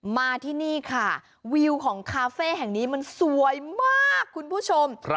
มาที่นี่ค่ะวิวของคาเฟ่แห่งนี้มันสวยมากคุณผู้ชม